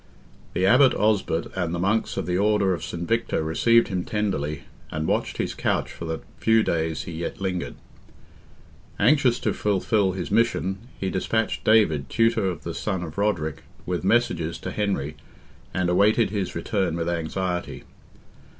The Abbot Osbert and the monks of the Order of St. Victor received him tenderly, and watched his couch for the few days he yet lingered. Anxious to fulfil his mission, he despatched David, tutor of the son of Roderick, with messages to Henry, and awaited his return with anxiety.